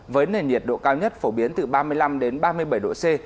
với nền nhiệt độ cao nhất phổ biến từ ba mươi năm ba mươi bảy độ c